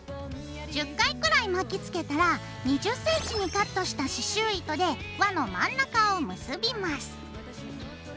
１０回くらい巻きつけたら２０ｃｍにカットした刺しゅう糸で輪の真ん中を結びます。